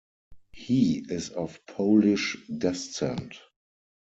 He is of Polish descent.